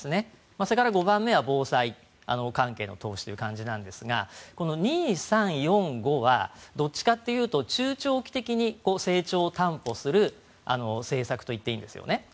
それから５番目は防災関係の投資という感じなんですが２、３、４、５はどっちかというと中長期的に成長を担保する政策といっていいんですよね。